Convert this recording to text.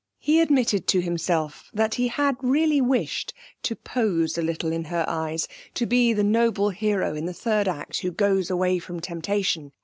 He admitted to himself that he had really wished to pose a little in her eyes: to be the noble hero in the third act who goes away from temptation.